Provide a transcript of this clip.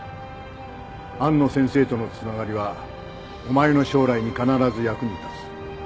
安野先生とのつながりはお前の将来に必ず役に立つ。